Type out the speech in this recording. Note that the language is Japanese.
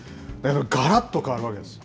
がらっと変わるわけです。